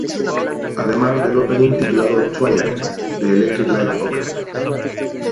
Además del opening titulado Twilight de Electric Light Orchestra